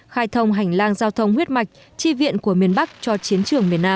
khai thông hành lang giao thông huyết mạch chi viện của miền bắc cho chiến trường miền nam